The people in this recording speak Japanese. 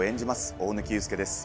大貫勇輔です